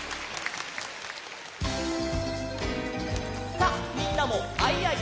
さっみんなも「アイアイ」